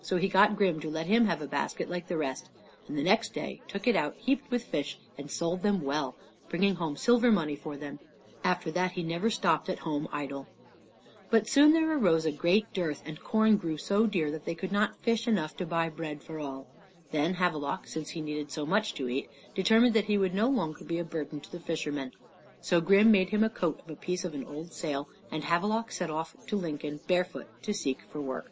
So he got Grim to let him have a basket like the rest, and next day took it out heaped with fish, and sold them well, bringing home silver money for them. After that he never stopped at home idle. But soon there arose a great dearth, and corn grew so dear that they could not take fish enough to buy bread for all. Then Havelok, since he needed so much to eat, determined that he would no longer be a burden to the fisherman. So Grim made him a coat of a piece of an old sail, and Havelok set off to Lincoln barefoot to seek for work.